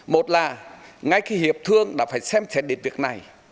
một là ngay khi hiệp thương đã phải xem xét đến việc này